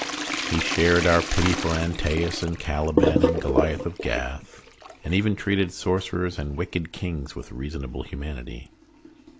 He shared our pity for Antseus and Caliban and Goliath of Gath, and even treated sor cerers and wicked kings with reasonable humanity.